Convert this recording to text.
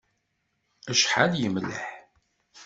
Acḥal yemleḥ!